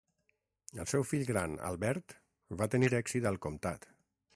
El seu fill gran Albert va tenir èxit al comtat.